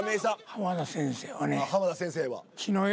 浜田先生はね。